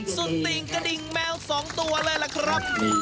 ติ่งกระดิ่งแมว๒ตัวเลยล่ะครับ